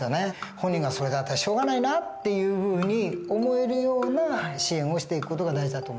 本人が「それだったらしょうがないな」っていうふうに思えるような支援をしていく事が大事だと思うんです。